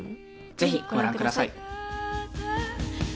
ぜひご覧下さい。